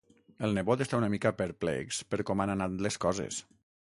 El nebot està una mica perplex per com han anat les coses.